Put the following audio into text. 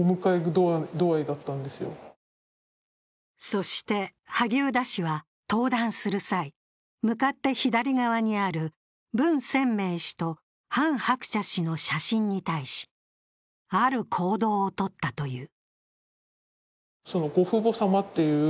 そして萩生田氏は、登壇する際、向かって左側にある文鮮明氏とハン・ハクチャ氏の写真に対しある行動をとったという。